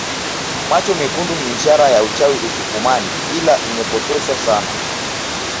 Macho mekundi si ishara ya uchawi usukumani ila imepotoshwa sana